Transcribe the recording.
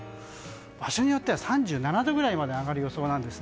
場所によっては３７度くらいまで上がる予想なんです。